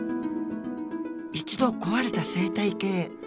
一度壊れた生態系。